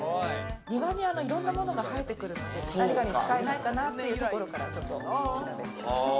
庭にいろんなものが生えてくるので、何かに使えないかなっていうところからちょっと調べて。